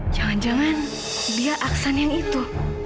jangan jangan dia aksan yang itu